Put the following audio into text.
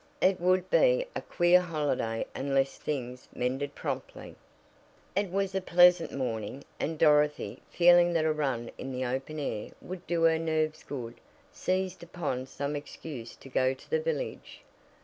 It would be a queer holiday unless things mended promptly. It was a pleasant morning, and Dorothy, feeling that a run in the open air would do her nerves good, seized upon some excuse to go to the village.